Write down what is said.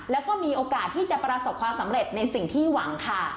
แล้วก็มีโอกาสที่จะประสบความสำเร็จในสิ่งที่หวังค่ะ